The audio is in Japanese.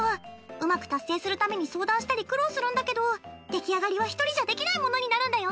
うまく達成するために相談したり苦労するんだけど出来上がりは１人じゃできないものになるんだよ。